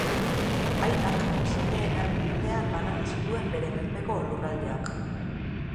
Aitak semeen artean banandu zituen bere menpeko lurraldeak.